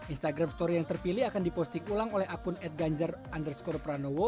instagram story yang terpilih akan diposting ulang oleh akun adganjar underscore pranowo